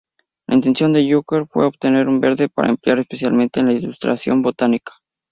La intención de Hooker fue obtener un verde para emplear especialmente en ilustración botánica.